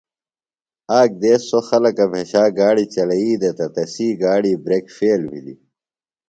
آک دیس سوۡ خلکہ بھیشا گاڑیۡ چلئی دےۡ تہ تسی گاڑیۡ بریک فیل بِھلیۡ۔